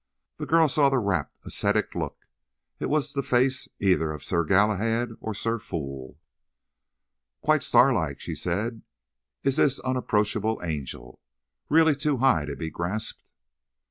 The girl saw the rapt, ascetic look; it was the face either of Sir Galahad or Sir Fool. "Quite starlike," she said, "is this unapproachable angel. Really too high to be grasped."